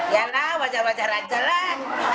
ya lah wajah wajah raja lah